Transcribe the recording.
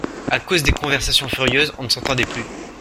A cause des conversations furieuses, on ne s'entendait plus.